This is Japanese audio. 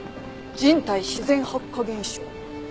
人体自然発火現象。